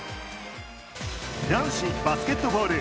男子バスケットボール。